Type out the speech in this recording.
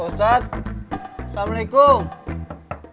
mak saya mau ke rumah